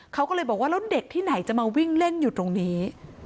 เขาก็เลยบอกว่าแล้วเด็กที่ไหนจะมาวิ่งเล่นอยู่ตรงนี้